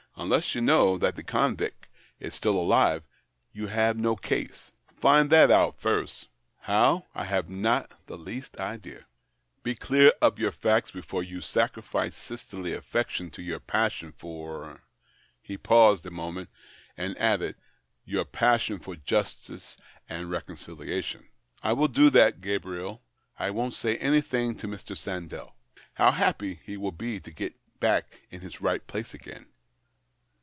Unless you know that the convict is still alive, you have no case. Find that out first. How ? I have not the least idea. 82 THE OCTAVE OF CLAUDIUS. Be clear on your facts, before you sacrifice sisterly affection to your passion for " lie paused a moment, and added, " your passion for justice and reconciliation." " I will do that, Gabriel. I won't say anything to Mr. Sandell. How happy he will be to get back in his right place again